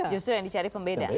justru yang dicari pembedaan